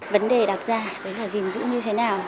vấn đề đặt ra đến là gìn dữ như thế nào